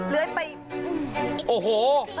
เลื้อยไปโอ้โห